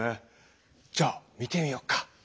じゃあ見てみようか。